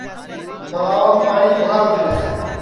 تݪاوام پاٹؔی تھوڑا تِیا